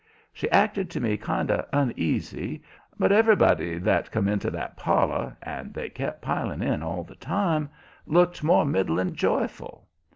She acted to me kind of uneasy, but everybody that come into that parlor and they kept piling in all the time looked more'n middling joyful.